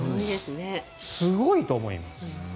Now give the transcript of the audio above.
すごいと思います。